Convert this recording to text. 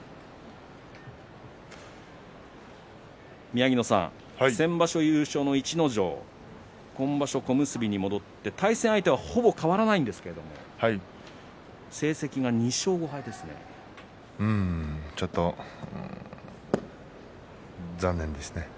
宮城野さん、先場所優勝の逸ノ城ですが今場所小結に戻って対戦相手はほぼ変わらないんですがちょっと残念ですね。